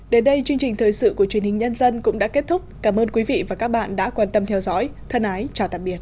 đến đây chương trình thời sự của truyền hình nhân dân cũng đã kết thúc cảm ơn quý vị và các bạn đã quan tâm theo dõi thân ái chào tạm biệt